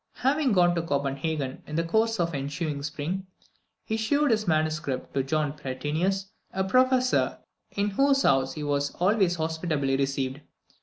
Having gone to Copenhagen in the course of the ensuing spring, he shewed this manuscript to John Pratensis, a Professor, in whose house he was always hospitably received.